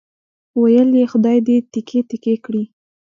ویل یې خدای دې تیکې تیکې کړي.